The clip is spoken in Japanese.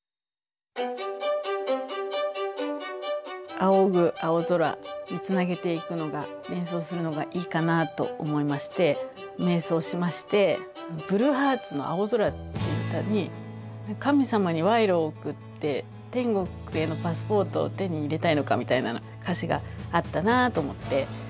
「仰ぐ青空」につなげていくのが連想するのがいいかなと思いまして迷走しましてブルーハーツの「青空」っていう歌に神様に賄賂を贈って天国へのパスポートを手に入れたいのかみたいな歌詞があったなと思って。